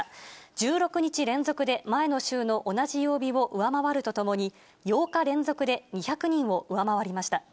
１６日連続で前の週の同じ曜日を上回るとともに、８日連続で２００人を上回りました。